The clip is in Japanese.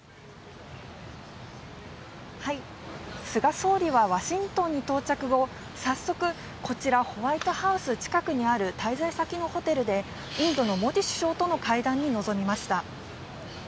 菅総理はワシントンに到着後、早速こちらホワイトハウス近くにある滞在先のホテルでインドのモディ首相との会談に臨みました。